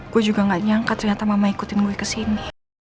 gue juga gak nyangka ternyata mama ikutin gue kesini